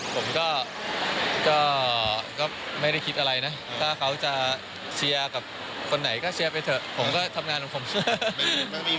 ผมก็ไม่ได้คิดอะไรนะถ้าเขาจะเชียร์กับคนไหนก็เชียร์ไปเถอะผมก็ทำงานของผม